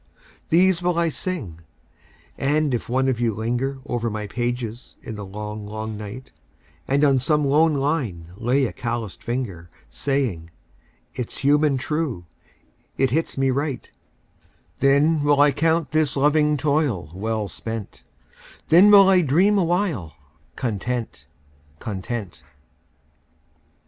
These will I sing, and if one of you linger Over my pages in the Long, Long Night, And on some lone line lay a calloused finger, Saying: "It's human true it hits me right"; Then will I count this loving toil well spent; Then will I dream awhile content, content.